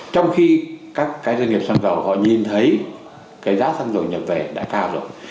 trong khi các doanh nghiệp xăng dầu họ nhìn thấy cái giá xăng dầu nhập về đã cao rồi